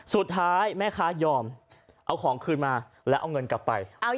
สุดท้ายแม่ค้ายอมเอาของคืนมาแล้วเอาเงินกลับไป